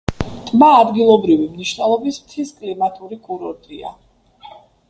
ტბა ადგილობრივი მნიშვნელობის მთის კლიმატური კურორტია.